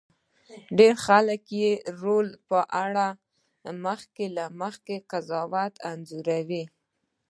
ډېر خلک یې د رول په اړه مخکې له مخکې قضاوت انځوروي.